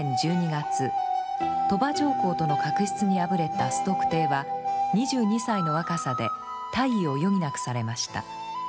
鳥羽上皇との確執に敗れた崇徳帝は２２歳の若さで退位を余儀なくされました。